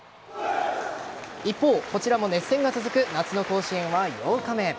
一方、こちらも熱戦が続く夏の甲子園は８日目。